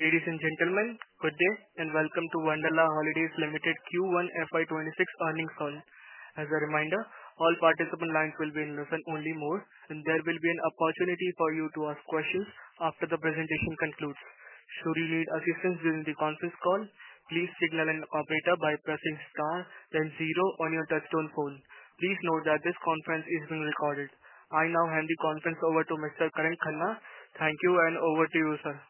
Ladies and gentlemen, good evening and welcome to Wonderla Holidays Limited Q1 FY 2026 Earnings Call. As a reminder, all participant lines will be in listen-only mode, and there will be an opportunity for you to ask questions after the presentation concludes. Should you need assistance during the conference call, please signal an operator by pressing star and zero on your touchtone phone. Please note that this conference is being recorded. I now hand the conference over to Mr. Karan Khanna. Thank you and over to you, sir.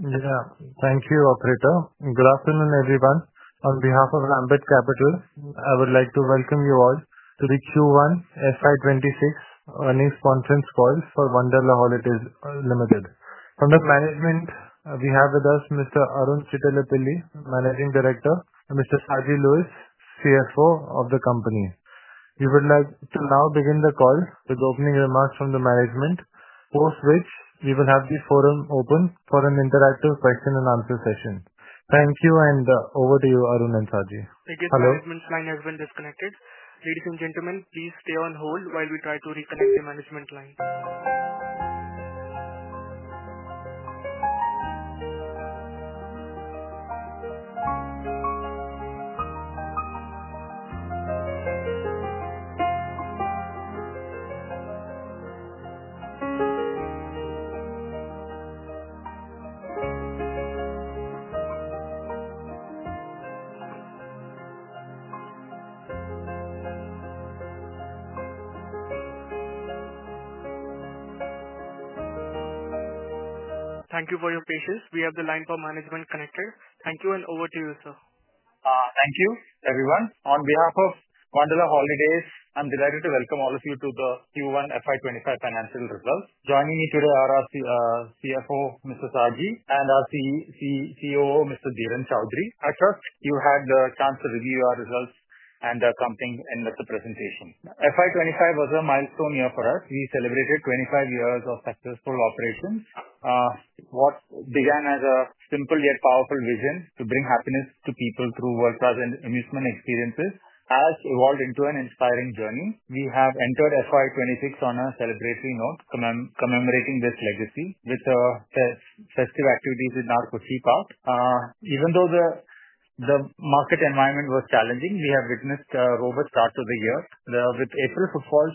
Yeah, thank you, operator. Good afternoon, everyone. On behalf of Ambit Capital, I would like to welcome you all to the Q1 FY 2026 Earnings Conference Call for Wonderla Holidays Limited. From the management, we have with us Mr. Arun Chittilappilly, Managing Director, and Mr. Saji Louiz, CFO of the company. We would like to now begin the call with opening remarks from the management, post which we will have the forum open for an interactive question and answer session. Thank you and over to you, Arun and Saji. Thank you for your commitment. I have been disconnected. Ladies and gentlemen, please stay on hold while we try to reconnect the management line. Thank you for your patience. We have the line for management connected. Thank you and over to you, sir. Thank you, everyone. On behalf of Wonderla Holidays, I'm delighted to welcome all of you to the Q1 FY 2025 financial results. Joining me today are our CFO, Mr. Saji, and our COO, Mr. Dheeran Choudhary. At first, you had the chance to review our results and the accounting in the presentation. FY 2025 was a milestone year for us. We celebrated 25 years of successful operations. What began as a simple yet powerful vision to bring happiness to people through world-class and amusement experiences has evolved into an inspiring journey. We have entered FY 2026 on a celebratory note, commemorating this legacy with the festive activities in our Kochi Park. Even though the market environment was challenging, we have witnessed robust starts of the year, with April footfalls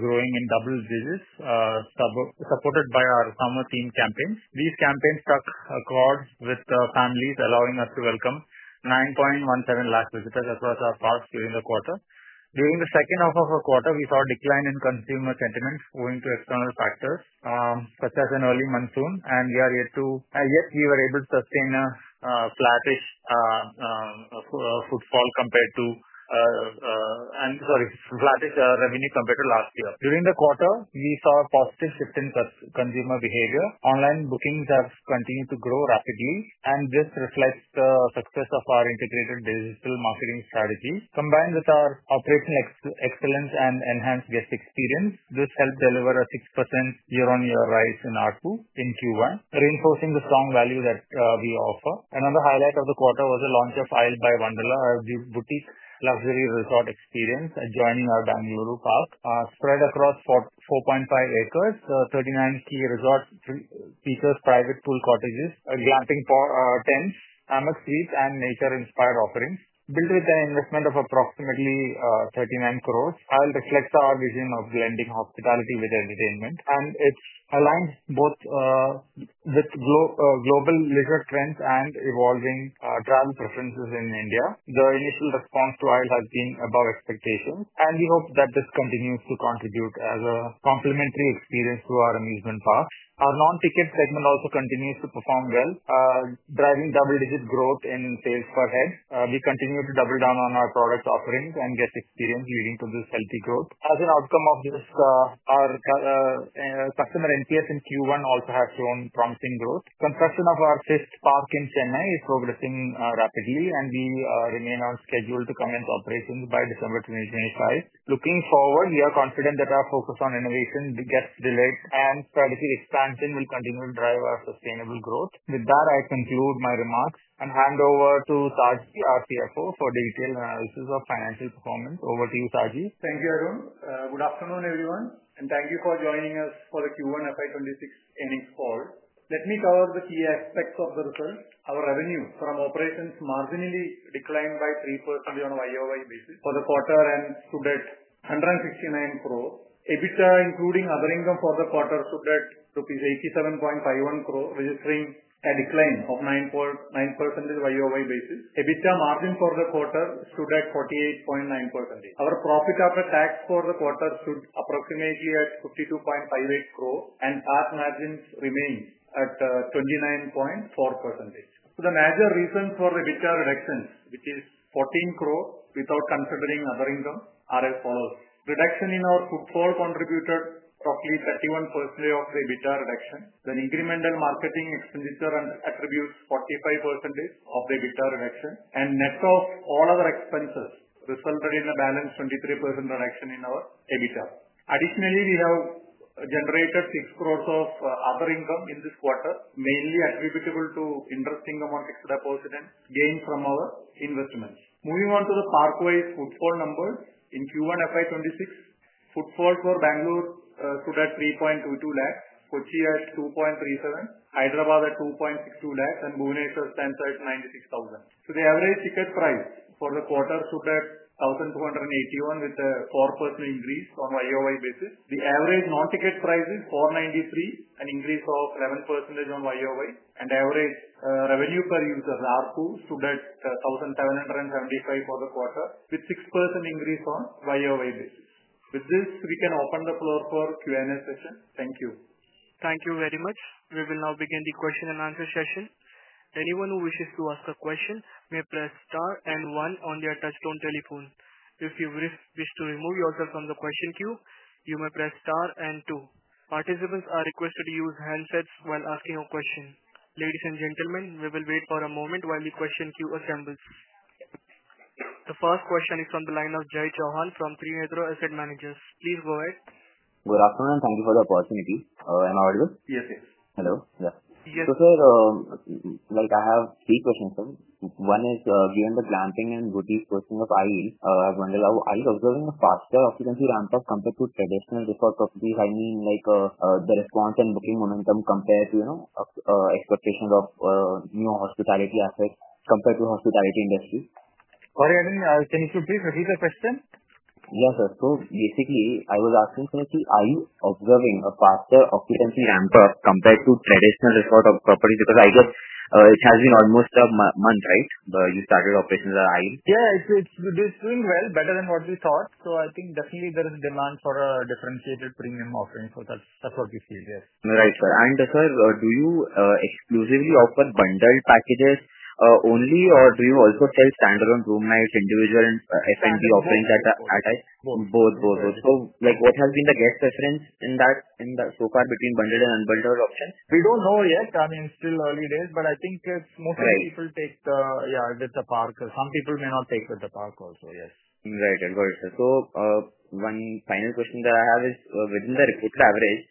growing in double digits, supported by our summer theme campaigns. These campaigns struck chords with the panelists, allowing us to welcome 9.17 lakh visitors across our parks during the quarter. During the second half of the quarter, we saw a decline in consumer sentiment owing to external factors, such as an early monsoon, yet we were able to sustain a flattish revenue compared to last year. During the quarter, we saw a positive shift in consumer behavior. Online bookings have continued to grow rapidly, and this reflects the success of our integrated digital marketing strategy. Combined with our operational excellence and enhanced guest experience, this helped deliver a 6% year-on-year rise in ARPU in Q1, reinforcing the strong value that we offer. Another highlight of the quarter was the launch of Isle by Wonderla, a boutique luxury resort experience adjoining our Bengaluru Park. Spread across 4.5 acres, 39 key resorts features private pool cottages, a glamping tent, amethyst, and nature-inspired offerings. Built with an investment of approximately 39 crore, Isle reflects our vision of blending hospitality with entertainment, and it aligns both with global leisure trends and evolving travel preferences in India. The initial response to Isle has been above expectations, and we hope that this continues to contribute as a complementary experience to our amusement park. Our non-ticket segment also continues to perform well, driving double-digit growth in sales per head. We continue to double down on our product offerings and guest experience, leading to this healthy growth. As an outcome of this, our customer NPS in Q1 also has shown promising growth. Construction of our fifth park in Chennai is progressing rapidly, and we remain on schedule to commence operations by December 2025. Looking forward, we are confident that our focus on innovation, guest delight, and strategic expansion will continue to drive our sustainable growth. With that, I conclude my remarks and hand over to Saji, our CFO, for the detailed analysis of financial performance. Over to you, Saji. Thank you, Arun. Good afternoon, everyone, and thank you for joining us for the Q1 FY 2026 earnings call. Let me cover the key aspects of the results. Our revenue from operations marginally declined by 3% on a YoY basis for the quarter and stood at 169 crore. EBITDA, including other income for the quarter, stood at rupees 87.51 crore, registering a decline of 9.9% on a YoY basis. EBITDA margin for the quarter stood at 48.9%. Our profit after tax for the quarter stood approximately at 52.58 crore, and park margins remained at 29.4%. The major reasons for EBITDA reductions, which are 14 crore without considering other income, are as follows: reduction in our cooked food contributed roughly 31% of the EBITDA reduction, then incremental marketing expenditure attributes 45% of the EBITDA reduction, and net of all other expenses resulted in a balanced 23% reduction in our EBITDA. Additionally, we have generated 6 crore of other income in this quarter, mainly attributable to interest in the market deposit and gains from our investments. Moving on to the park-wise footfall numbers in Q1 FY 2026, footfall for Bengaluru stood at 3.22 lakhs, Kochi at 2.37 lakh, Hyderabad at 2.62 lakh, and Bhubaneswar at 1.096 lakh. The average ticket price for the quarter stood at 1,281 lakh with a 4% increase on a YoY basis. The average non-ticket price is 493, an increase of 11% YoY, and the average revenue per user ARPU stood at 1,775 for the quarter, with a 6% increase on a YoY basis. With this, we can open the floor for Q&A session. Thank you. Thank you very much. We will now begin the question and answer session. Anyone who wishes to ask a question may press star and one on their touch-tone telephone. If you wish to remove yourself from the question queue, you may press star and two. Participants are requested to use handsets while asking your question. Ladies and gentlemen, we will wait for a moment while the question queue assembles. The first question is from the line of Jai Chauhan from Trinetra Asset Managers. Please go ahead. Good afternoon. Thank you for the opportunity. I'm available. Yes, yes. Hello. Yes. I have three questions, sir. One is, we are in the glamping and boutique section of Isle. I'm wondering how Isle is observing a faster occupancy ramp-up compared to traditional resort companies. I mean, like the response and booking momentum compared to, you know, expectations of new hospitality assets compared to the hospitality industry. Sorry, I think, can you please repeat the question? Yes, sir. Basically, I was asking, sir, are you observing a faster occupancy ramp-up compared to traditional resort properties? Because I got it has been almost a month, right, you started operating the Isle? Yeah, it's doing well, better than what we thought. I think definitely there is a demand for a differentiated premium offering for that. That's what we feel here. Right, sir. Do you exclusively offer bundled packages only, or do you also sell standalone room, individual, and F&B offerings at Isle? Both, both, both. What has been the guest preference in that so far between bundled and unbundled options? We don't know yet. I mean, it's still early days, but I think it's mostly people take the, yeah, with the park. Some people may not take with the park also, yes. Right. One final question that I have is, within the reported average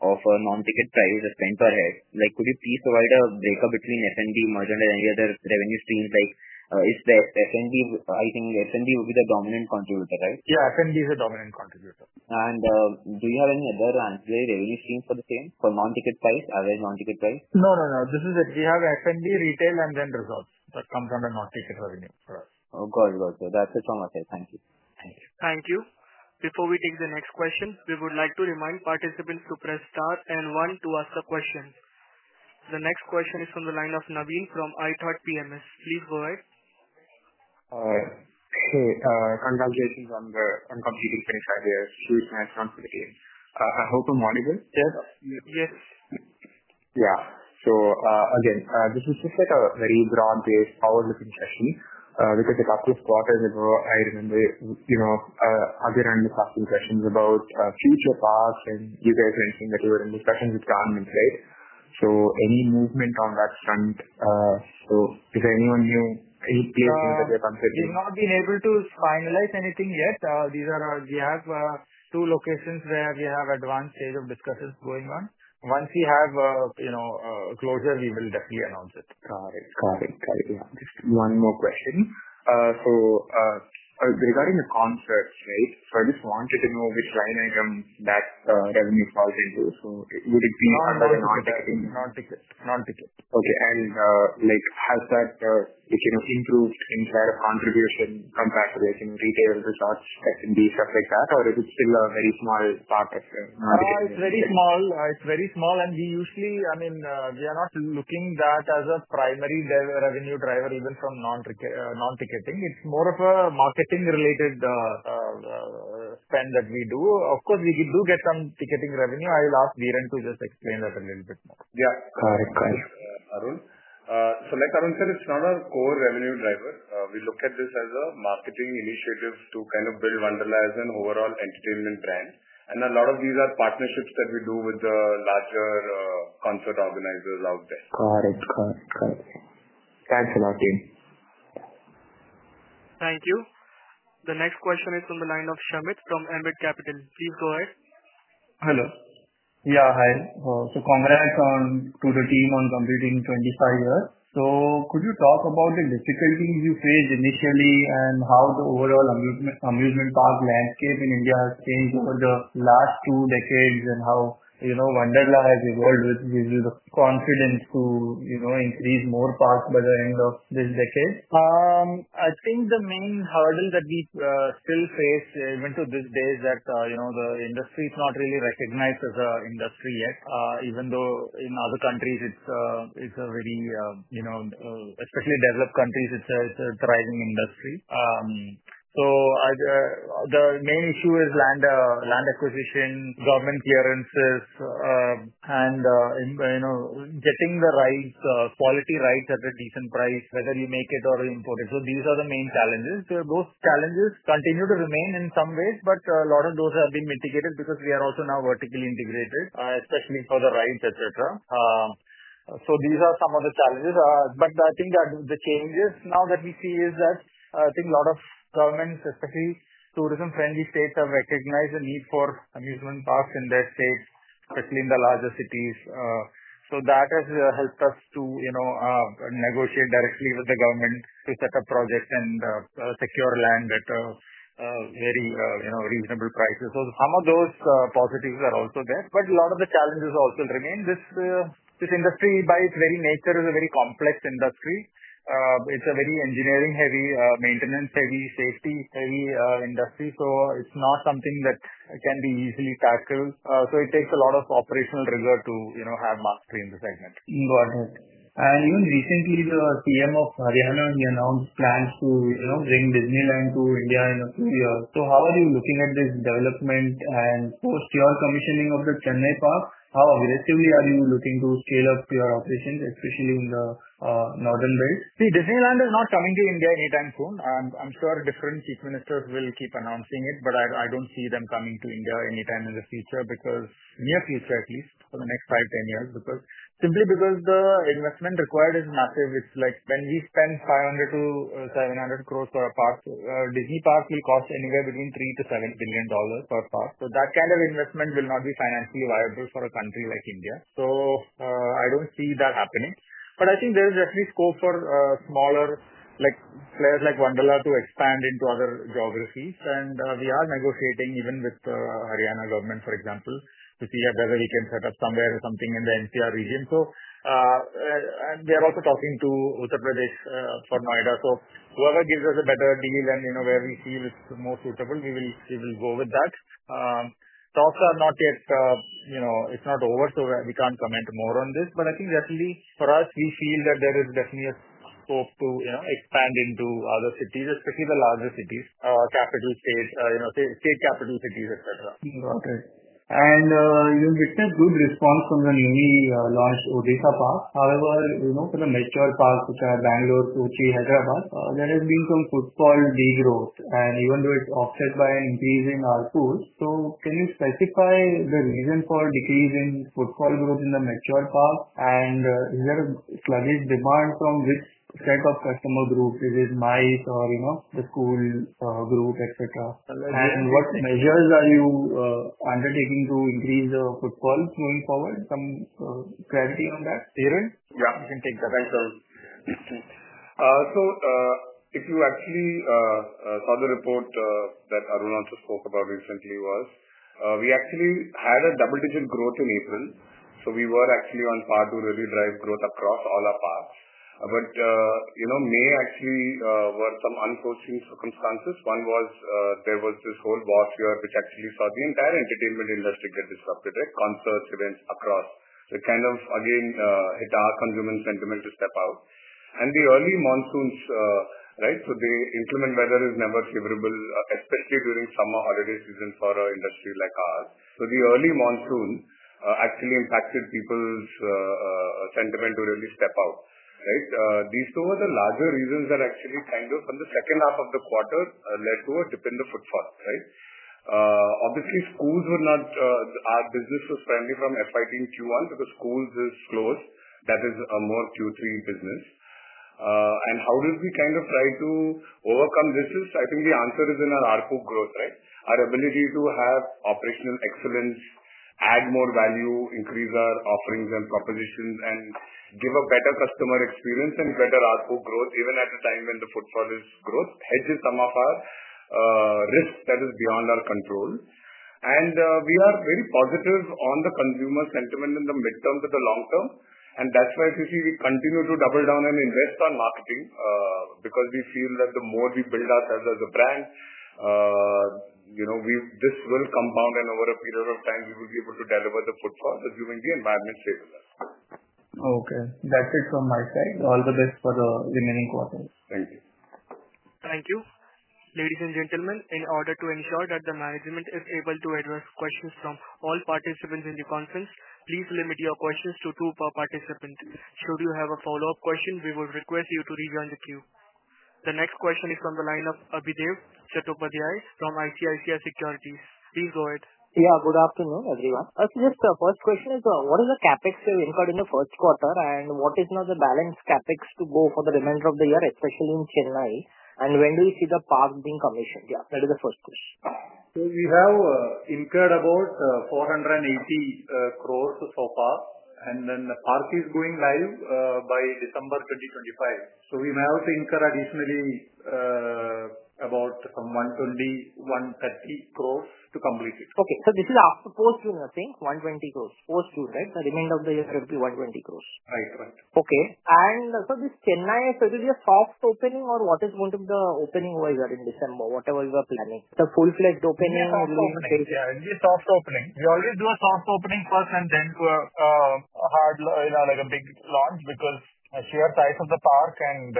of non-ticket prices spent per head, could you please provide a breakup between F&B, merchandise, and any other revenue streams? I think F&B would be the dominant contributor, right? Yeah, F&B is the dominant contributor. Do you have any other ancillary revenue streams for the same, for non-ticket price, average non-ticket price? No, no, no. This is it. We have F&B, retail, and then results that come from the non-ticket revenue for us. Oh, good, good, good. That's it from us. Thank you. Thank you. Before we take the next question, we would like to remind participants to press star and one to ask a question. The next question is from the line of Navin from ithoughtPMS. Please go ahead. Hey, congratulations on completing 25 years huge milestone for the team. I hope I'm audible. Yes, yes. Yeah, this is just like a very broad-based forward-looking session. A couple of quarters ago, I remember other unpacking sessions about feed the parks, and you guys were saying that you were in discussions with governments, right? Any movement on that front? Is there anyone new? We have not been able to finalize anything yet. We have two locations where we have advanced stage of discussions going on. Once we have a closure, we will definitely announce it. Got it. Got it. Got it. Yeah. Just one more question. Regarding the concerts, right, I just wanted to know which line item that revenue falls into. Would it be non-ticket? Non-ticket. Okay. Has that, you know, improved in terms of contribution compared to, let's say, you know, retail resorts, B shops like that, or is it still a very small part? It's very small. It's very small, and we usually, I mean, we are not looking at that as a primary revenue driver, even from non-ticketing. It's more of a marketing-related spend that we do. Of course, we do get some ticketing revenue. I'll ask Dheeran to just explain that a little bit. Yeah. Got it. Got it. Like Arun said, it's not our core revenue driver. We look at this as a marketing initiative to kind of build Wonderla as an overall entertainment brand. A lot of these are partnerships that we do with the larger concert organizers out there. Got it. Got it. Got it. Thanks a lot, Dheeran. Thank you. The next question is from the line of Shamit from Ambit Capital. Please go ahead. Hello. Hi. Congrats to the team on completing 25 years. Could you talk about the difficulties you faced initially and how the overall amusement park landscape in India has changed over the last two decades, and how Wonderla has evolved, which gives you the confidence to increase more parks by the end of this decade? I think the main hurdle that we still face, even to this day, is that, you know, the industry is not really recognized as an industry yet. Even though in other countries, it's a very, you know, especially developed countries, it's a thriving industry. The main issue is land acquisition, government clearances, and, you know, getting the rights, quality rights at a decent price, whether you make it or you import it. These are the main challenges. Those challenges continue to remain in some ways, but a lot of those have been mitigated because we are also now vertically integrated, especially for the rides, etc. These are some of the challenges. I think that the changes now that we see is that I think a lot of governments, especially tourism-friendly states, have recognized the need for amusement parks in their states, particularly in the larger cities. That has helped us to, you know, negotiate directly with the government to set up projects and secure land at very, you know, reasonable prices. Some of those positives are also there. A lot of the challenges also remain. This industry, by its very nature, is a very complex industry. It's a very engineering-heavy, maintenance-heavy, safety-heavy industry. It's not something that can be easily tackled. It takes a lot of operational rigor to, you know, have mastery in the segment. Go ahead. Even recently, the PM of Haryana announced plans to, you know, bring Disneyland to India in a few years. How are you looking at this development? Post your commissioning of the Chennai park, how aggressively are you looking to scale up your operations, especially in the northern bays? See, Disneyland is not coming to India anytime soon. I'm sure different Chief Ministers will keep announcing it, but I don't see them coming to India anytime in the future, at least for the next five, 10 years, simply because the investment required is massive. It's like when we spend 500 crore-NR 700 crore per park, Disney Park will cost anywhere between $3-$7 billion per park. That kind of investment will not be financially viable for a country like India. I don't see that happening. I think there is definitely scope for smaller players like Wonderla to expand into other geographies. We are negotiating even with the Haryana government, for example, to see whether we can set up somewhere or something in the NCR region. We are also talking to Uttar Pradesh for Noida. Whoever gives us a better deal and, you know, where we see it's more suitable, we will go with that. Talks are not yet over, so we can't comment more on this. I think definitely for us, we feel that there is definitely a hope to expand into other cities, especially the larger cities, capital states, state capital cities, etc. Got it. You know, it's a good response from the newly launched Odisha Park. However, for the mature parks, which are Bengaluru, Kochi, and Hyderabad, there has been some footfall degrowth. Even though it's offset by an increase in ARPU, can you specify the reason for a decrease in footfall growth in the mature parks? Is there a sluggish demand from which type of customer group? Is it MICE or, you know, the school group, etc.? What measures are you undertaking to increase the footfall going forward? Some clarity on that, Dheeran? Yeah, I can take that. Thanks, Arun. If you actually saw the report that Arun also spoke about recently, we actually had a double-digit growth in April. We were actually on path to really drive growth across all our parks. May, actually, were some unforeseen circumstances. One was, there was this whole boss year, which actually saw the entire entertainment industry get disrupted, right? Concerts, events across. It kind of, again, hit our conglomerate sentiment to step out. The early monsoons, right? The inclement weather is never favorable, especially during summer holiday season for an industry like ours. The early monsoon actually impacted people's sentiment to really step out, right? These two were the larger reasons that actually kind of, from the second half of the quarter, led to a dip in the footfall, right? Obviously, schools were not, our business was primarily from FI team Q1 because schools are closed. That is a more Q3 business. How did we kind of try to overcome this? I think the answer is in our ARPU growth, right? Our ability to have operational excellence, add more value, increase our offerings and propositions, and give a better customer experience and better ARPU growth, even at a time when the footfall is growth, hedges some of our risk that is beyond our control. We are very positive on the consumer sentiment in the midterms and the long term. That's why we continue to double down and invest on marketing, because we feel that the more we build ourselves as a brand, you know, this will compound and over a period of time, we will be able to deliver the footfall assuming the environment stays with us. Okay. That's it from my side. All the best for the remaining quarters. Thank you. Thank you. Ladies and gentlemen, in order to ensure that the management is able to address questions from all participants in the conference, please limit your questions to two per participant. Should you have a follow-up question, we will request you to leave it on the queue. The next question is from the line of Adhidev Chattopadhyay from ICICI Securities. Please go ahead. Good afternoon, everyone. The first question is, what is the CapEx you incurred in the first quarter and what is now the balanced CapEx to go for the remainder of the year, especially in Chennai? When do you see the park being commissioned? That is the first question. We have incurred about 480 crore so far, and the park is going live by December 2025. We may also incur additionally about 120 crore-INR130 crore to complete it. Okay, this is after post-school, you're saying? Yes. 120 crores, post-school, right? At the end of the year, it will be 120 crores. Right, right. Okay. Is this Chennai totally a soft opening or what is going to be the opening you guys are planning in December? The full-fledged opening or? Yeah, it will be a soft opening. We always do a soft opening first and then do a hard, you know, like a big launch because as we are size of the park and,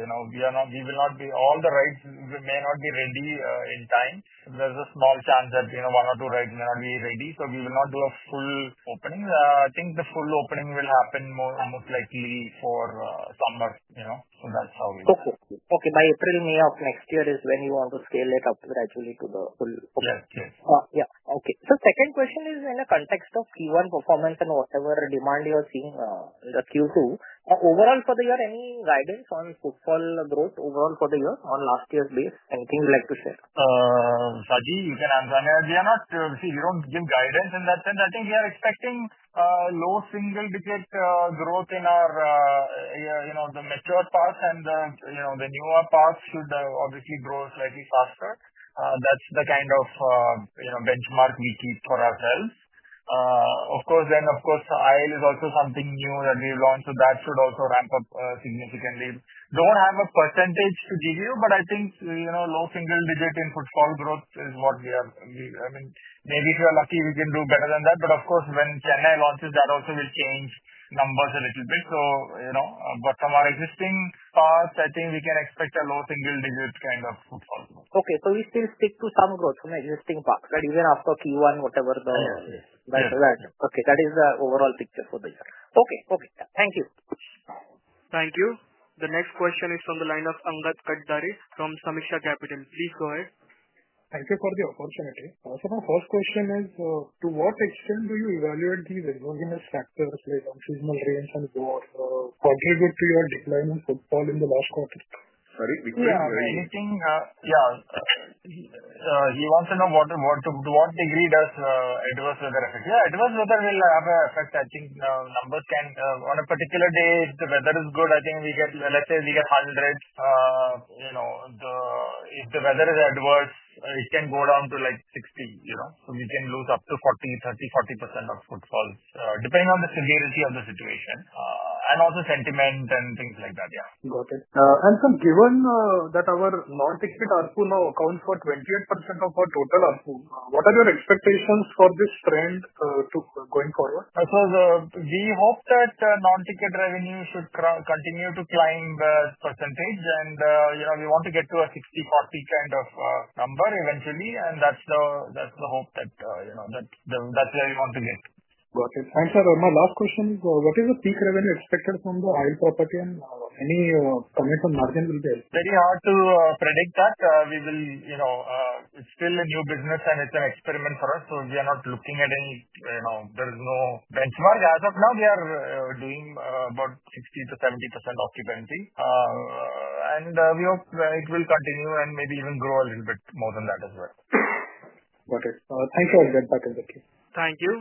you know, we are not, we will not be all the rides may not be ready in time. There's a small chance that, you know, one or two rides may not be ready. We will not do a full opening. I think the full opening will happen most likely for summer, you know. That's how we do it. Okay. By April, May of next year is when you want to scale it up gradually to the full opening? Yes, yes. Yeah. Okay. Second question is in the context of Q1 performance and whatever demand you're seeing in the Q2. Overall, for the year, any guidance on footfall growth overall for the year on last year's base? Anything you'd like to share? Saji, you can answer that. We are not, see, we don't give guidance in that sense. I think we are expecting low single-digit growth in our, you know, the mature parks and the, you know, the newer parks should obviously grow slightly faster. That's the kind of, you know, benchmark we keep for ourselves. Of course, the Isle is also something new that we've launched. That should also ramp up significantly. Don't have a percentage to give you, but I think, you know, low single-digit in footfall growth is what we are, we, I mean, maybe if we are lucky, we can do better than that. When Chennai launches, that also will change numbers a little bit. From our existing parks, I think we can expect a low single-digit kind of footfall. Okay. We still stick to some growth from existing parks, right? Even after Q1, whatever the. Yes, yes. Right. Okay. That is the overall picture for the year. Okay. Okay. Thank you. Thank you. The next question is from the line of Angad Katdare from Sameeksha Capital. Please go ahead. Thank you for the opportunity. My first question is, to what extent do you evaluate these exogenous factors like seasonal variance and contributes to your decline in footfall in the last quarter? Sorry, we couldn't hear you. Yeah. He wants to know to what degree does. Adverse weather affect. Yeah, adverse weather will have an effect. I think numbers can, on a particular day, if the weather is good, I think we get, let's say, we get 100%. You know, if the weather is adverse, it can go down to like 60%, you know. We can lose up to 30%-40% of footfall, depending on the severity of the situation and also sentiment and things like that. Yeah. Got it. Given that our non-ticket ARPU now accounts for 28% of our total ARPU, what are your expectations for this trend going forward? We hope that non-ticket revenues will continue to climb percentage, and you know, we want to get to a 60%-40% kind of number eventually. That's the hope that, you know, that's where we want to go. Got it. Sir, my last question is, what is the peak revenue expected from the Isle property and any commitment margin? It's very hard to predict that. It's still a new business and it's an experiment for us. We are not looking at any, you know, there's no benchmark. As of now, we are doing about 60%-70% occupancy. We hope it will continue and maybe even grow a little bit more than that as well. Got it. Thank you again for the opportunity. Thank you.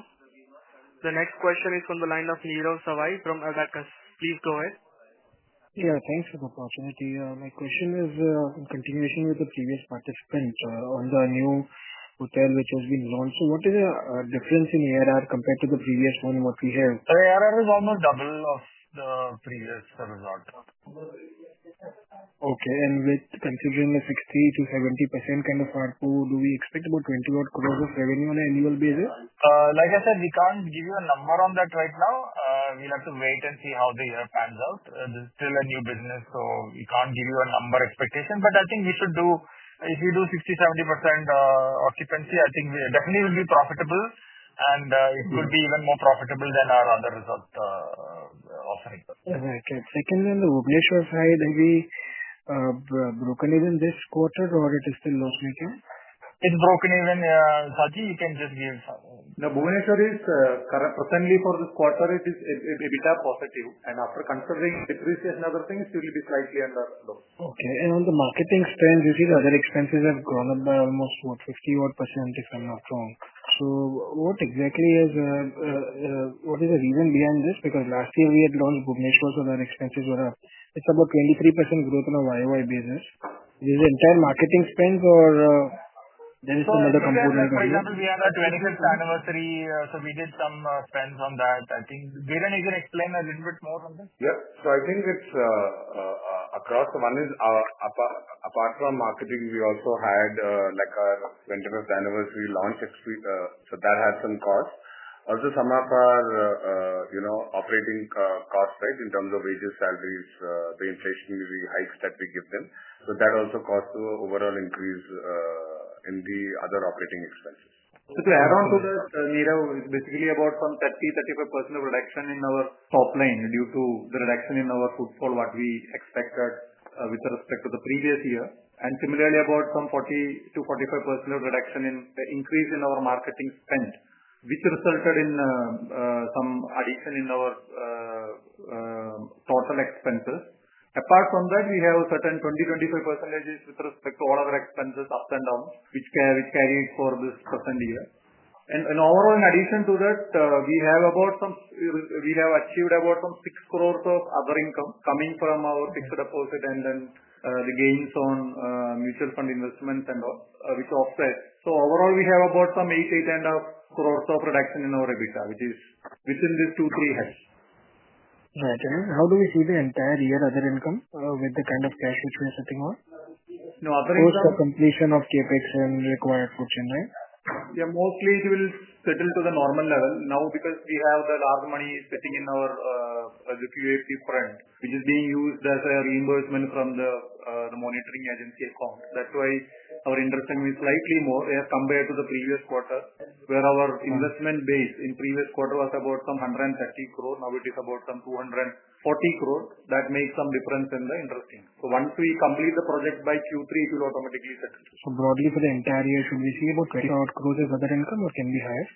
The next question is from the line of Nirav Savai from Abakkus. Please go ahead. Yeah, thanks for the opportunity. My question is, I'm continuing with the previous participant on the new hotel which has been launched. What is the difference in ARR compared to the previous one? What do you hear? The ARR is almost double of the previous hotel. Okay. With considering the 60%-70% kind of ARPU, do we expect about 20 crore of revenue on an annual basis? Like I said, we can't give you a number on that right now. We'll have to wait and see how the year pans out. This is still a new business, so we can't give you a number expectation. I think we should do, if we do 60%-70% occupancy, I think we definitely will be profitable. It could be even more profitable than our other resorts offering. Secondly, on the Bhubaneswar side, have we broken even this quarter, or is it still not working? It's broken even. Saji, you can just give some. The Bhubaneswar is currently for this quarter, it is EBITDA positive. After considering depreciation and other things, it will be slightly under load. Okay. On the marketing spend, you see the other expenses have gone up by almost 60% this semester. What exactly is the reason beyond this? Last year we had launched Bhubaneswar, so the other expenses were up. It's about 23% growth on a YOY basis. Is it the entire marketing spend, or is there some other component? Yeah, we had that 23rd anniversary, so we did some spend on that. I think Dheeran is going to explain a little bit more on this. I think it's, across the one is, apart from marketing, we also had, like our 25th anniversary launch history. That had some costs. Also, some of our operating costs, in terms of wages, salaries, the inflationary high step we give them. That also costs to overall increase in the other operating expenses. With the ARR onto the year, it's basically about from 30%-35% of reduction in our top line due to the reduction in our footfall, what we expected with respect to the previous year. Similarly, about from 40%-45% of reduction in the increase in our marketing spend, which resulted in some addition in our total expenses. Apart from that, we have a certain 20%-25% with respect to all other expenses up and down, which carries for this percent year. Overall, in addition to that, we have achieved about 6 crore of other income coming from our fixed deposit and then the gains on mutual fund investments and which are offset. Overall, we have about 8 crore-8.5 crore of reduction in our EBITDA, which is within these two, three heads. Okay. How do we see the entire year, other income, with the kind of cash which we're putting on? No, other income. What's the completion of KPIs required for Chennai? Yeah, mostly it will settle to the normal level now because we have the large money sitting in our WPA preprint, which is being used as a reimbursement from the monitoring agency account. That's why our interest income is slightly more compared to the previous quarter, where our investment base in the previous quarter was about 130 crore. Now it is about 240 crore. That makes some difference in the interest income. Once we complete the project by Q3, it will automatically set. For the entire year, should we see about 20 crore of other income or can it be higher?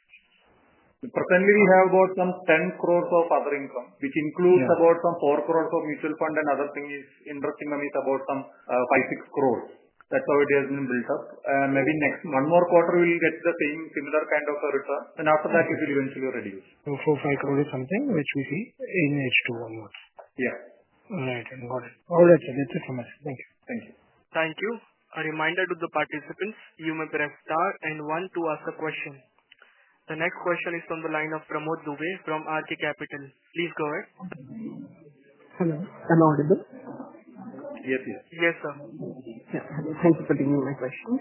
Presently, we have about 10 crore of other income, which includes about 4 crore of mutual fund and other things. Interestingly, about INR 5, 6 crore. That's how it has been built up. Maybe next one more quarter, we will get the same similar kind of a return. After that, it will eventually reduce. INR 4 crore or INR 5 crore is something which would be in H2 one month? Yeah. All right. Got it. All right, sir. Thank you so much. Thank you. Thank you. Thank you. A reminder to the participants, you may press star and one to ask a question. The next question is from the line of Pramod Dubey from RT Capital. Please go ahead. Hello. Am I audible? Yes, yes. Yes, sir. I have a question.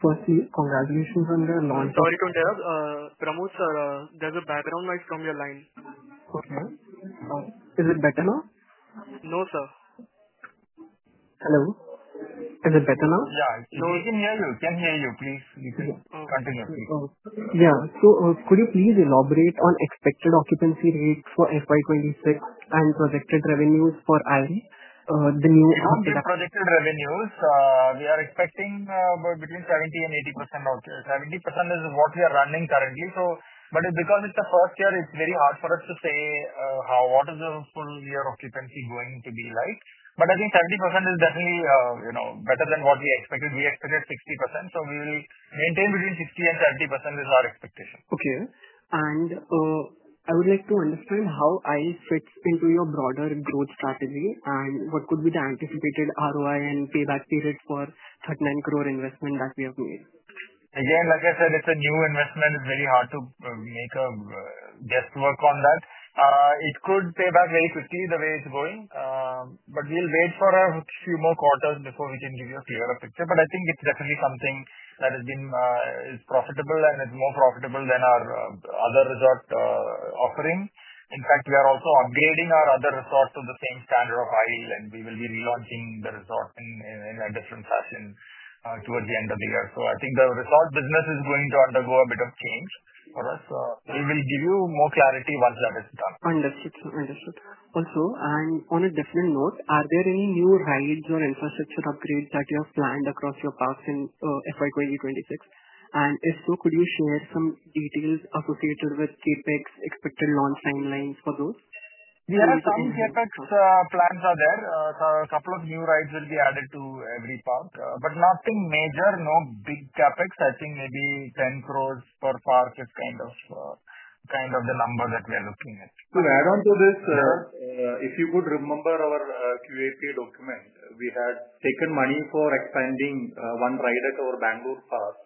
Firstly, congratulations on the launch. Sorry to interrupt. Pramod, sir, there's a background noise from your line. Okay. Is it better now? No, sir. Hello? Is it better now? Yeah. I can hear you. Can you hear me? Please continue, please. Yeah. Could you please elaborate on expected occupancy rates for FY 2026 and projected revenues for Isle? The new. Projected revenues, we are expecting between 70% and 80%. 70% is what we are running currently. Because it's the first year, it's very hard for us to say what is the full year occupancy going to be, right? I think 70% is definitely, you know, better than what we expected. We expected 60%. We will maintain between 60% and 70% is our expectation. Okay. I would like to understand how Isle fits into your broader growth strategy and what could be the anticipated ROI and payback periods for the 39 crore investment that we have made. Again, like I said, it's a new investment. It's very hard to make a guesswork on that. It could pay back very quickly the way it's going, but we'll wait for a few more quarters before we can give you a clearer picture. I think it's definitely something that has been, is profitable and is more profitable than our other resort offering. In fact, we are also upgrading our other resorts to the same standard of Isle, and we will be relaunching the resort in a different fashion towards the end of the year. I think the resort business is going to undergo a bit of change for us. We will give you more clarity once that is done. Understood. Understood. Also, on a different note, are there any new rides or infrastructure upgrades that you have planned across your parks in FY 2026? If so, could you share some details associated with KPIs, expected launch timelines for those? We have some KPI plans. A couple of new rides will be added to every park, but nothing major. No big CapEx. I think maybe 10 crore per park is kind of the number that we are looking at. To add on to this, if you could remember our QAP document, we had taken money for expanding one ride at our Bengaluru Park,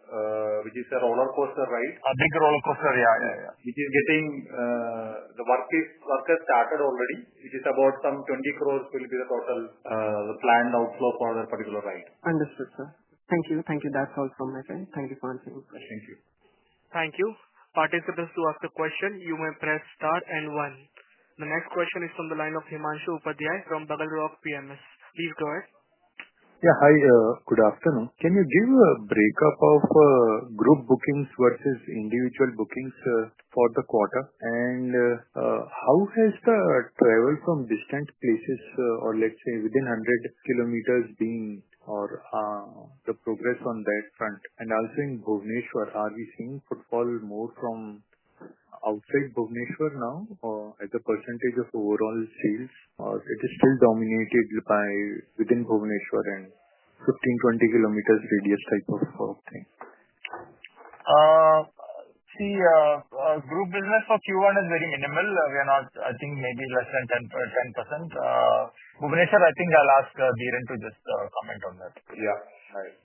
which is a roller coaster ride. A big roller coaster, yeah, yeah, yeah. The work has started already, which is about 20 crore will be the total, the planned outflow for that particular ride. Understood, sir. Thank you. Thank you. That's all from my side. Thank you for answering the question. Thank you. Thank you. Participants do have to ask a question. You may press star and one. The next question is from the line of Himanshu Upadhyay from BugleRock PMS. Please go ahead. Yeah, hi. Good afternoon. Can you give a breakup of group bookings versus individual bookings for the quarter? How has the travel from distant places, or let's say within 100 kilometers, been, or the progress on that front? Also, in Bhubaneswar, are we seeing footfall more from outside Bhubaneswar now as a percentage of overall sales, or is it still dominated by within Bhubaneswar and 15, 20 kilometers radius type of thing? See, group business for Q1 is very minimal. We are not, I think maybe less than 10%. Bhubaneswar, I think I'll ask Dheeran to just comment on that. Yeah, right.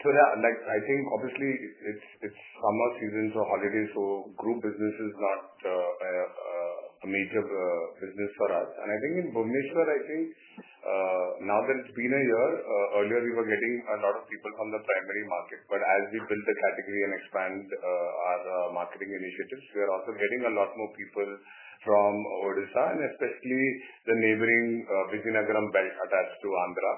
So now, like I think obviously it's summer season, so holidays. Group business is not a major business for us. I think in Bhubaneswar, now that it's been a year, earlier we were getting a lot of people from the primary market. As we build the category and expand our marketing initiatives, we are also getting a lot more people from Odisha and especially the neighboring Viziayanagaram belt attached to Andhra.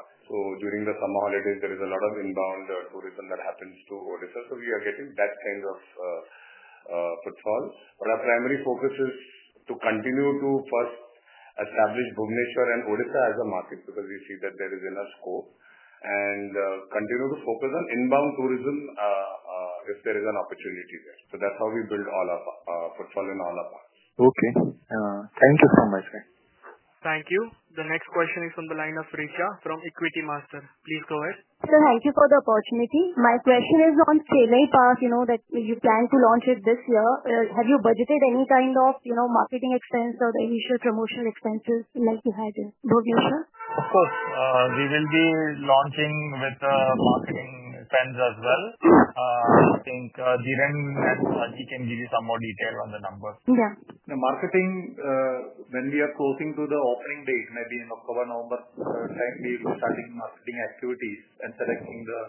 During the summer holidays, there is a lot of inbound tourism that happens to Odisha. We are getting that kind of footfall. Our primary focus is to continue to first establish Bhubaneswar and Odisha as a market because we see that there is enough scope and continue to focus on inbound tourism if there is an opportunity there. That's how we build all of our footfall in all of us. Okay, thank you so much. Thank you. The next question is from the line of Richa from Equitymaster. Please go ahead. Thank you for the opportunity. My question is on Chennai Park, you know, that you plan to launch it this year. Have you budgeted any kind of, you know, marketing expense or initial promotional expenses like you had in Bhubaneswar? Of course. We will be launching with marketing funds as well. I think Dheeran and Saji can give you some more detail on the numbers. Okay. The marketing, when we are closing to the opening date, maybe in October, November time, we will be starting marketing activities and selecting the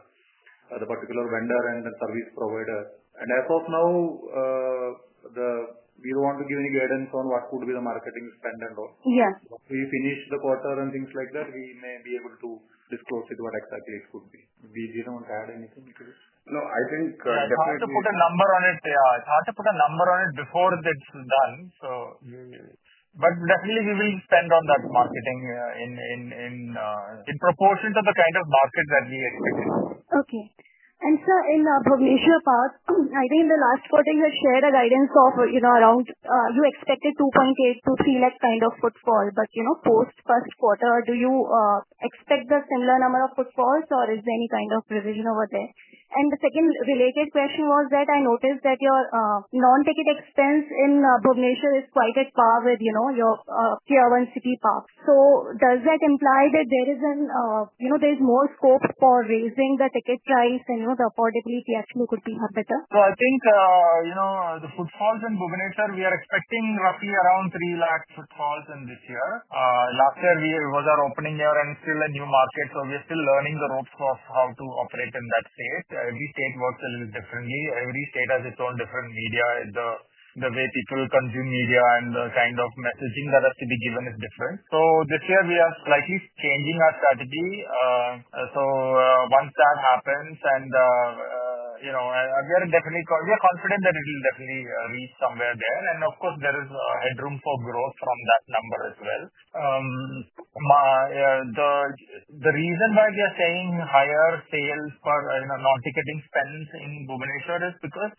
particular vendor and the service provider. As of now, we don't want to give any guidance on what could be the marketing spend and all. Yeah. Once we finish the quarter and things like that, we may be able to disclose it, what exactly it should be. Dheeran, want to add anything? No, I think. You have to put a number on it. You have to put a number on it before it's done. We will definitely spend on that marketing in proportion to the kind of market that we are speaking about. Okay. In Bhubaneswar Park, I think in the last quarter, you had shared a guidance of around you expected 2.8 lakh-3 lakh kind of footfall. Post first quarter, do you expect a similar number of footfalls, or is there any kind of revision over there? The second related question was that I noticed that your non-ticket expense in Bhubaneswar is quite at par with your Tier 1 City Park. Does that imply that there is more scope for raising the ticket price and the affordability actually could be more better? I think the footfalls in Bhubaneswar, we are expecting roughly around 3 lakh footfalls in this year. Last year, it was our opening year and still a new market. We are still learning the ropes of how to operate in that state. Every state works a little differently. Every state has its own different media, the way people consume media, and the kind of messaging that has to be given is different. This year, we are slightly changing our strategy. Once that happens, we are confident that it will definitely reach somewhere there. Of course, there is headroom for growth from that number as well. The reason why we are saying higher sales for non-ticketing spend in Bhubaneswar is because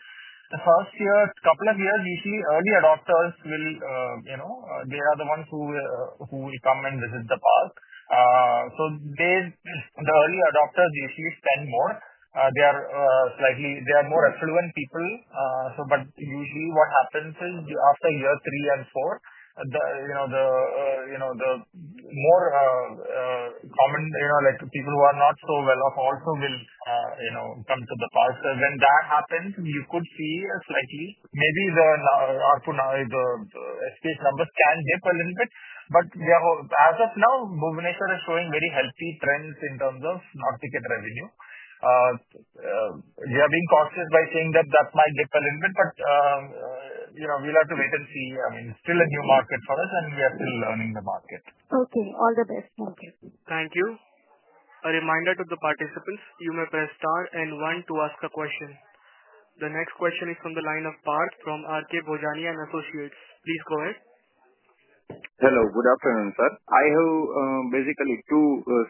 the first year, a couple of years, you see early adopters will, you know, they are the ones who will come and visit the park. The early adopters, you see, spend more. They are more affluent people. Usually what happens is after year three and four, the more common, you know, like people who are not so well off also will come to the park. When that happens, you could see a slightly, maybe the ARPU now is, the space numbers can dip a little bit. As of now, Bhubaneswar is showing very healthy trends in terms of non-ticket revenue. We are being cautious by saying that that might dip a little bit, but we'll have to wait and see. It's still a new market for us, and we are still learning the market. Okay. All the best. Thank you. Thank you. A reminder to the participants, you may press star and one to ask a question. The next question is from the line of [Park] from RK Bhojani and Associates. Please go ahead. Hello. Good afternoon, sir. I have basically two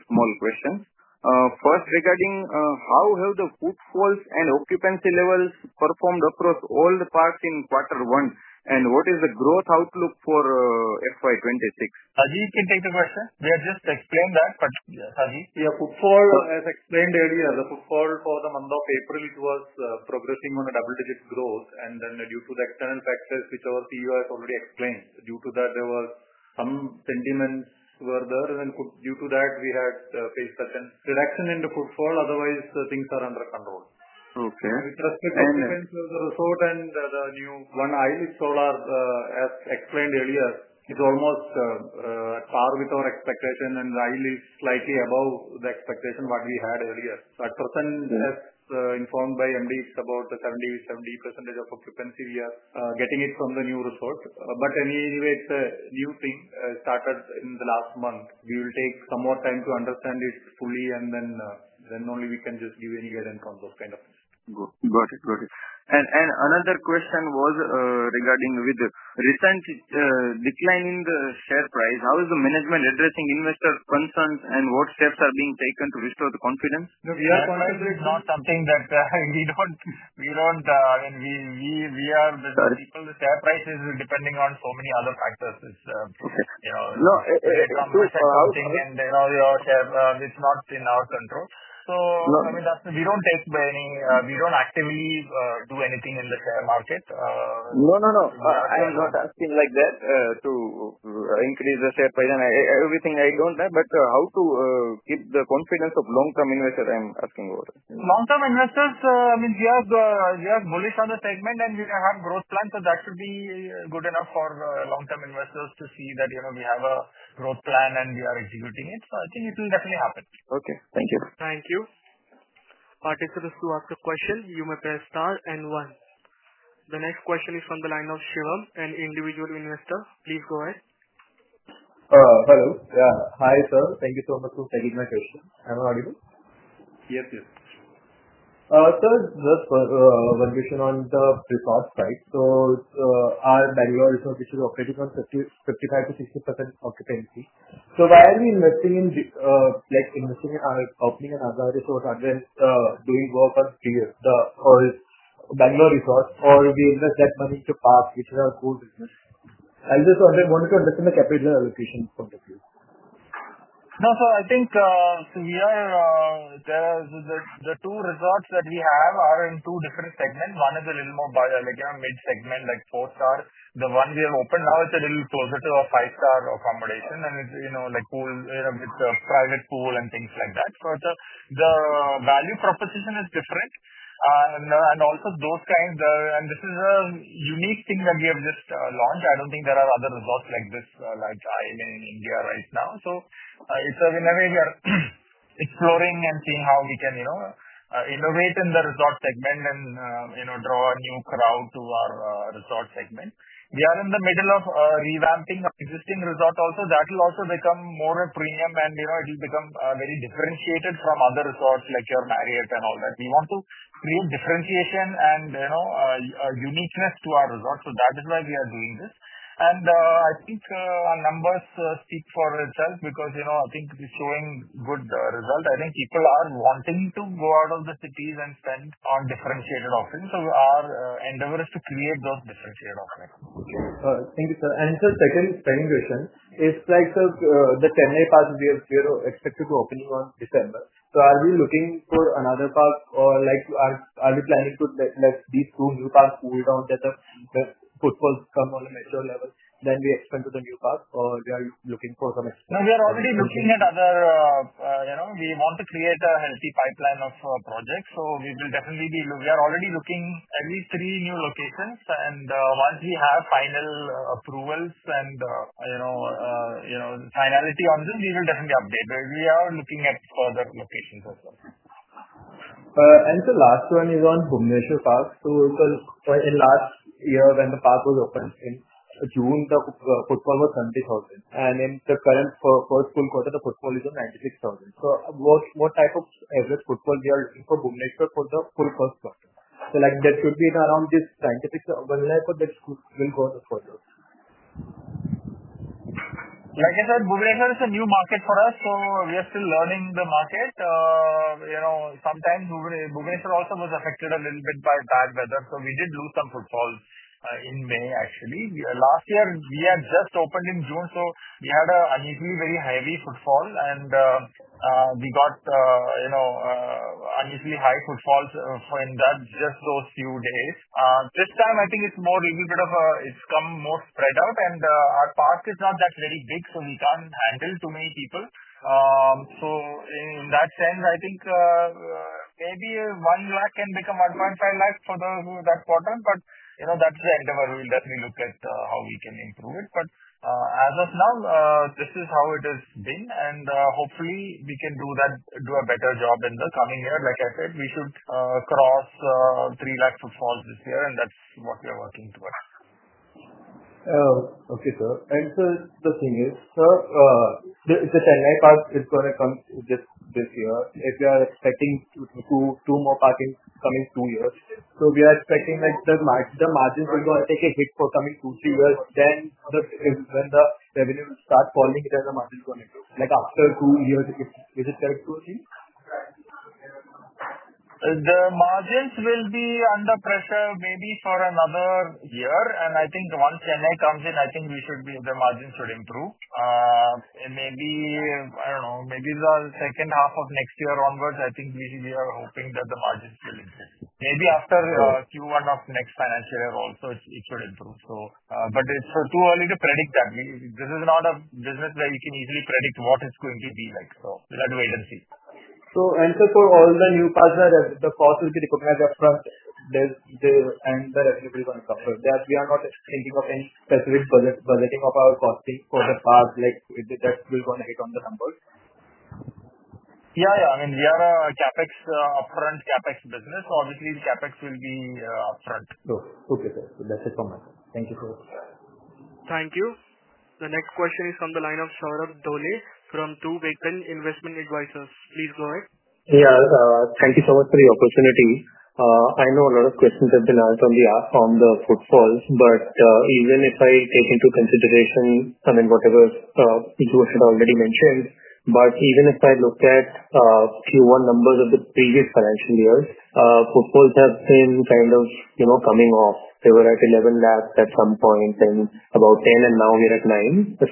small questions. First, regarding how have the footfalls and occupancy levels performed across all the parks in quarter one? What is the growth outlook for FY 26? Ajit, can you take the question? Yeah, just explain that. Yeah, Ajit. Yeah, footfall, as explained earlier, the footfall for the month of April, which was progressing on a double-digit growth. Due to the external factors, which our CEO has already explained, there were some sentiments who were there. Due to that, we had a pace that reduction in the footfall. Otherwise, things are under control. Okay. With respect to the resort and the new one Isle is told, as explained earlier, it's almost at par with our expectation. The Isle is slightly above the expectation what we had earlier. At present, as informed by MDs, about 70% of occupancy we are getting from the new resort. Anyway, it's a new thing started in the last month. We will take some more time to understand this fully, and then only we can just give any guidance on those kind of things. Got it. Got it. Another question was regarding the recent decline in the share price, how is the management addressing investors' concerns and what steps are being taken to restore the confidence? No, we are honest. It's not something that we don't, and we are the people. The share price is depending on so many other factors. It's, you know. No, it's not in our control. We don't actively do anything in the share market. No, no, no. I was not asking like that to increase the share price and everything. I don't know that. How to keep the confidence of long-term investors I'm asking about? Long-term investors, I mean, we are bullish on the segment and we have growth plans. That could be good enough for long-term investors to see that we have a growth plan and we are executing it. I think it will definitely happen. Okay, thank you. Thank you. Participants do have to ask a question, you may press star and one. The next question is from the line of [Shivam], an individual investor. Please go ahead. Hello. Hi, sir. Thank you so much for taking my question. I'm Arjun. Yes, yes. Sir, just one question on the precost, right? Our Bengaluru resort is operating on 55%-60% occupancy. Why are we investing in, like investing in or opening another resort rather than doing work on the Bengaluru resort? Or we invest that money to park which is our core business? As a result, I want to understand the capital allocation point of view. No, I think the two resorts that we have are in two different segments. One is a little more, like a mid-segment, like four-star. The one we have opened now, it's a little closer to a five-star accommodation. It's, you know, like pool, you know, it's a private pool and things like that. The value proposition is different, and also those kinds are, and this is a unique thing that we have just launched. I don't think there are other resorts like this, like I am in India right now. It's a winner where we are exploring and seeing how we can, you know, innovate in the resort segment and, you know, draw a new crowd to our resort segment. We are in the middle of revamping the existing resort also. That will also become more premium, and it will become very differentiated from other resorts like your Marriott and all that. We want to create differentiation and uniqueness to our resort. That is why we are doing this. I think our numbers speak for itself because, you know, I think it is showing good results. I think people are wanting to go out of the cities and spend on differentiated offerings. Our endeavor is to create those differentiated offerings. Thank you, sir. Second spending question is, like sir, the Chennai Park, we are expected to open in December. Are we looking for another park or are we planning to let these two new parks pull down the footfalls from a national level? We expand to the new park, or we are looking for some. We are already looking at other, you know, we want to create a healthy pipeline of projects. We are already looking at at least three new locations. Once we have final approvals and finality on this, we will definitely update. We are looking at further investments as well. Sir, last one is on Bhubaneswar Parks. In last year when the park was opened in June, the footfall was 70,000. In the current first full quarter, the footfall is on 96,000. What type of average footfall are we looking for Bhubaneswar for the full first quarter? Should that be around this 96 or whatever, or that will go the quarter. Like I said, Bhubaneswar is a new market for us. We are still learning the market. Sometimes Bhubaneswar also was affected a little bit by bad weather. We did lose some footfalls in May, actually. Last year, we had just opened in June. We had an unusually very heavy footfall, and we got unusually high footfalls in just those few days. This time, I think it's more a little bit of a, it's come more spread out. Our park is not that very big, so we can't handle too many people. In that sense, I think maybe 1 lakh can become 1.5 lakh for that quarter. That's the endeavor. We will definitely look at how we can improve it. As of now, this is how it has been. Hopefully, we can do a better job in the coming year. Like I said, we should cross 3 lakh footfalls this year. That's what we are working towards. Okay, sir. The thing is, sir, there is a Chennai Park. It's going to come this year. If they are expecting two more parks coming in two years, we are expecting like the margins will go and take a hit for coming two, three years. When the revenue starts falling, then the margins going to, like after two years, is it correct to say? The margins will be under pressure maybe for another year. I think once Chennai comes in, the margins should improve, and maybe, I don't know, maybe the second half of next year onwards, I think we are hoping that the margins will increase. Maybe after Q1 of next financial year also, it should improve. It's too early to predict that. This is not a business where you can easily predict what it's going to be like. We are not wait and see. For all the new parks, the cost will be recognized upfront, and the revenue will be recognized. We are not thinking of any specific budgeting of our costing for the parks. If the test will go on the numbers. Yeah, we are a CapEx upfront CapEx business. Obviously, the CapEx will be upfront. Okay, sir. That's it from us. Thank you. Thank you. The next question is from the line of Saurabh Dhole from True Beacon Investment Advisors. Please go ahead. Thank you so much for the opportunity. I know a lot of questions have been asked on the footfalls. Even if I take into consideration whatever Igor had already mentioned, if I look at Q1 numbers of the previous financial years, footfalls have seen kind of coming off. They were at 11 lakh at some point and about 10 lakh, and now we're at 9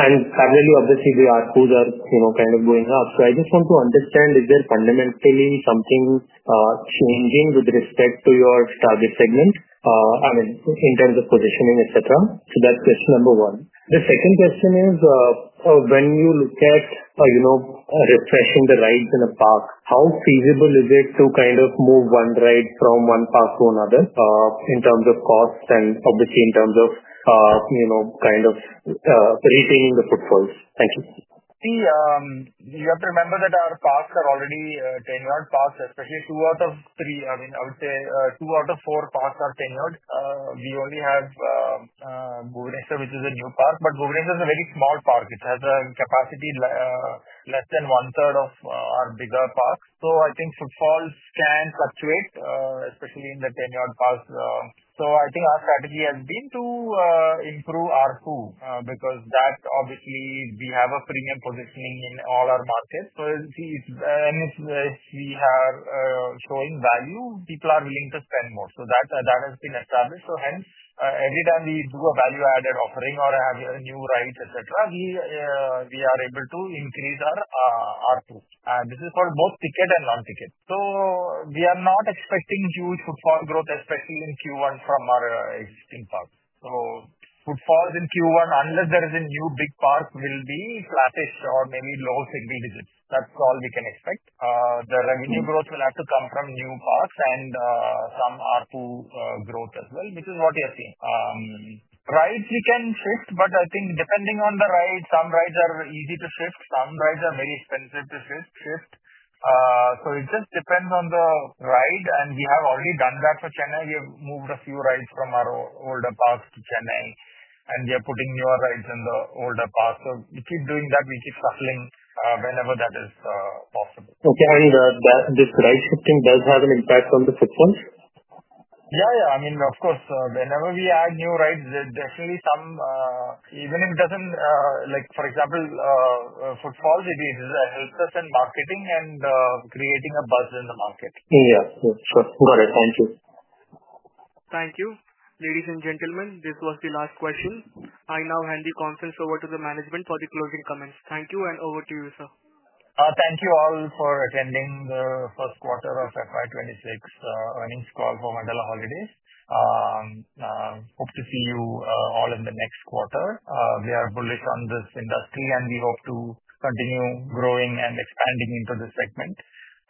lakh. Obviously, the ARPUs are kind of going up. I just want to understand, is there fundamentally something changing with respect to your target segments, in terms of positioning, etc.? That's question number one. The second question is, when you look at repressing the rides in a park, how feasible is it to move one ride from one park to another, in terms of cost and in terms of retaining the footfalls? Thank you. See, you have to remember that our parks are already 10-year-old parks, especially two out of three. I mean, I would say, two out of four parks are 10-year-old. We only have Bhubaneswar, which is a new park. Bhubaneswar is a very small park. It has a capacity, less than one-third of our bigger parks. I think footfalls can fluctuate, especially in the 10-year-old parks. Our strategy has been to improve ARPU because that obviously we have a premium positioning in all our markets. You see, it's anyways, we have showing value. People are willing to spend more. That has been established. Hence, every time we do a value-added offering or have a new ride, etc., we are able to increase our ARPU. This is for both ticket and non-ticket. We are not expecting huge footfall growth, especially in Q1 from our existing parks. Footfalls in Q1, unless there is a new big park, will be flattest or maybe low single digits. That's all we can expect. The revenue growth will have to come from new parks and some ARPU growth as well, which is what we are seeing. Rides we can shift, but I think depending on the ride, some rides are easy to shift. Some rides are very expensive to shift. It just depends on the ride. We have already done that for Chennai. We have moved a few rides from our older parks to Chennai. We are putting newer rides in the older parks. We keep doing that. We keep cycling whenever that is possible. Okay. Does this ride shifting have an impact on the footfalls? Yeah, yeah. I mean, of course, whenever we add new rides, there's definitely some, even if it doesn't, like for example, footfall, it helps us in marketing and creating a buzz in the market. Yeah, sir, got it. Thank you. Thank you. Ladies and gentlemen, this was the last question. I now hand the conference over to the management for the closing comments. Thank you and over to you, sir. Thank you all for attending the first quarter of FY 2026 earnings call for Wonderla Holidays. Hope to see you all in the next quarter. We are bullish on this industry, and we hope to continue growing and expanding into this segment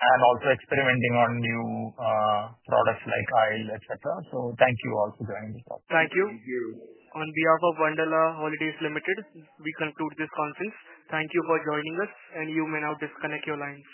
and also experimenting on new products like Isle by Wonderla, etc. Thank you all for joining. Thank you. Thank you. On behalf of Wonderla Holidays Limited, we conclude this conference. Thank you for joining us, and you may now disconnect your lines.